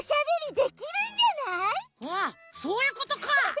あっそういうことか！